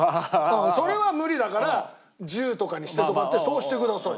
それは無理だから１０とかにしてとかってそうしてくださいよ。